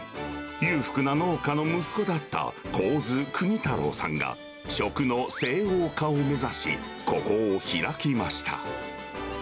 裕福な農家の息子だった神津邦太郎さんが、食の西欧化を目指し、ここを開きました。